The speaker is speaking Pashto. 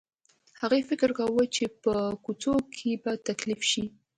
هغې فکر کاوه چې په کوڅو کې به تکليف شي.